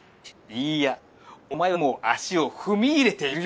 いいやお前はもう足を踏み入れているよ！